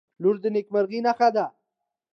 • لور د نیکمرغۍ نښه ده.